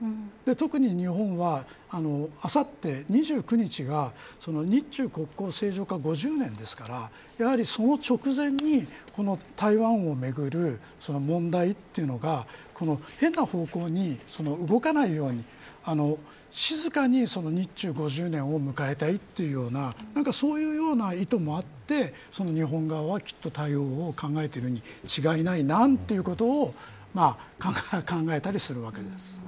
特に日本はあさって、２９日が日中国交正常化５０周年ですからやはりその直前に台湾を巡る問題というのが変な方向に動かないように静かに日中５０年を迎えたいというようなそういうような意図もあって日本側はきっと対応を考えているに違いないなんていうことを考えたりするわけです。